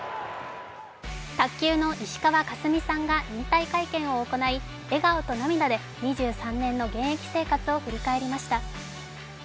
卓球の石川佳純さんが引退会見を行い笑顔と涙で２３年の現役生活を振り返りました。